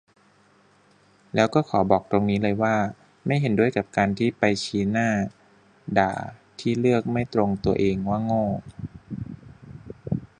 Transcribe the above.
แล้วก็ขอบอกตรงนี้เลยว่า ไม่เห็นด้วยกับการจะไปชี้หน้าด่าที่เลือกไม่ตรงตัวเองว่าโง่